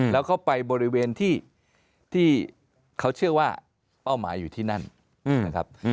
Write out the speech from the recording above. แล้วเขาไปบริเวณที่เขาเชื่อว่าเป้าหมายอยู่ที่นั่นนะครับ